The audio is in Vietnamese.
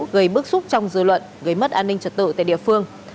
gây bức xúc trong dư luận gây mất an ninh trật tự tại địa phương